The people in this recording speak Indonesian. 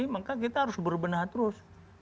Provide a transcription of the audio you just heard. maka kita harus berbenah terus